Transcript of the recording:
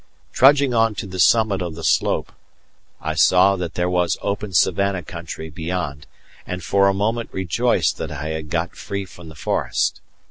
Trudging on to the summit of the slope, I saw that there was open savannah country beyond, and for a moment rejoiced that I had got free from the forest.